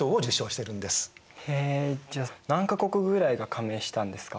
へえじゃあ何か国ぐらいが加盟したんですか。